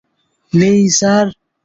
নেই, স্যার।